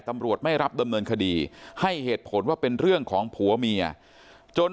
ตำรวจไม่รับดำเนินคดีให้เหตุผลว่าเป็นเรื่องของผัวเมียจน